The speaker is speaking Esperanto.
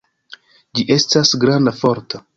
Ĝi estas granda, forta.